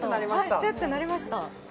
はいシュッてなりました